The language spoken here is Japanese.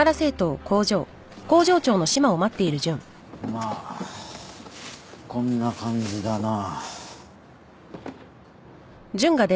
まあこんな感じだな。